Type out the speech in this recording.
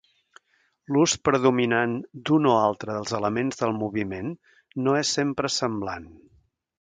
L'ús predominant d'un o altre dels elements del moviment no és sempre semblant.